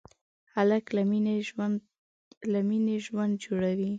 هلک له مینې ژوند جوړوي.